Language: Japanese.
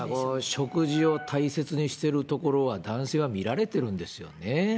食事を大切にしてるところは、男性は見られてるんですよね。